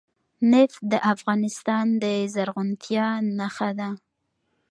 نفت د افغانستان د زرغونتیا نښه ده.